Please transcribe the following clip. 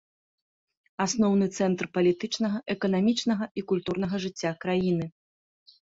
Асноўны цэнтр палітычнага, эканамічнага і культурнага жыцця краіны.